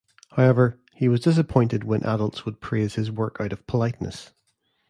However, he was disappointed when adults would praise his work out of politeness.